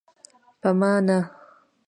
په ما نه.